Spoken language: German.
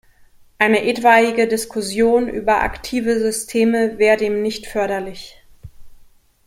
Eine etwaige Diskussion über aktive Systeme wäre dem nicht förderlich.